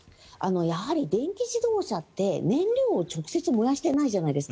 電気自動車って燃料とか直接燃やしてないじゃないですか。